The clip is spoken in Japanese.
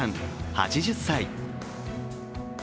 ８０歳。